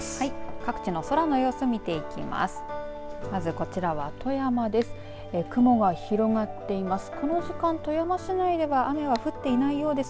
各地の空の様子を見ていきます。